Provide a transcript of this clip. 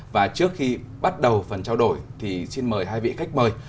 và trước khi bắt đầu phần trao đổi thì xin mời hai vị khách mời